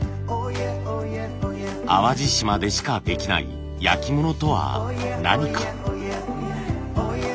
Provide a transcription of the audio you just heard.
淡路島でしかできない焼き物とは何か？